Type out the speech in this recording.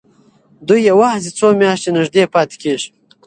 دوی یوازې څو میاشتې نږدې پاتې کېږي.